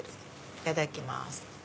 いただきます。